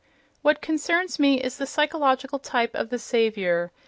What concerns me is the psychological type of the Saviour.